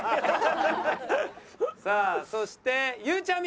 さあそしてゆうちゃみ。